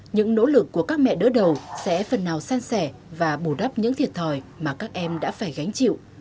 những nỗ lực của các mẹ đỡ đầu sẽ phần nào san sẻ và bù đắp những thiệt thòi mà các em đã phải gánh chịu